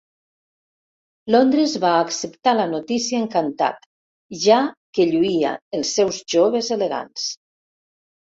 Londres va acceptar la notícia encantat ja que lluïa els seus joves elegants.